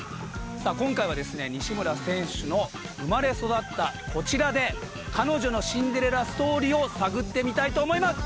今回は西村選手の生まれ育ったこちらで彼女のシンデレラストーリーを探ってみたいと思います。